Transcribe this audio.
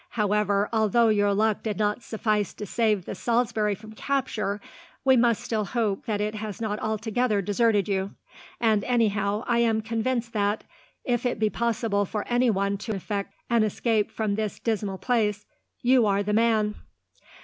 However, although your luck did not suffice to save the Salisbury from capture, we must still hope that it has not altogether deserted you; and anyhow, I am convinced that, if it be possible for anyone to effect an escape from this dismal place, you are the man."